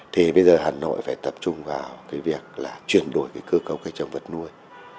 thì bây giờ hà nội phải tập trung vào cái việc là chuyển đổi cơ cấu cây trồng vật nuôi